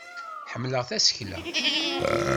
Ḥemmleɣ tasekla.